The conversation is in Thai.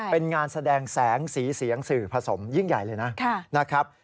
เป็นงานแสดงแสงสีเสียงสื่อผสมยิ่งใหญ่เลยนะครับ